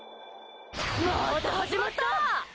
また始まった！